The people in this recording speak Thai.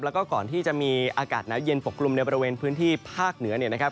แล้วก็ก่อนที่จะมีอากาศหนาวเย็นปกกลุ่มในบริเวณพื้นที่ภาคเหนือเนี่ยนะครับ